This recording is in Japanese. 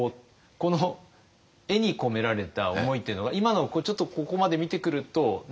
この絵に込められた思いっていうのは今のちょっとここまで見てくると何か感じるところあるんですか？